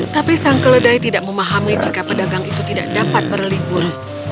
tapi sang keledai tidak memahami jika pedagang itu tidak dapat berlibur